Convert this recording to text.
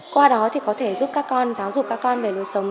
qua đó thì có thể giúp các con giáo dục các con về lối sống